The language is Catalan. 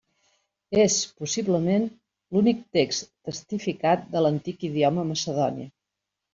És, possiblement, l'únic text testificat de l'antic idioma macedoni.